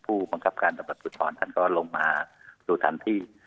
ผู้บังคับการตรวจสุดท้อนท่านก็ลงมาสู่ทางที่